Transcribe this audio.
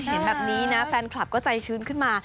เห็นแบบนี้นะแฟนคลับก็ใจชื้นขึ้นมา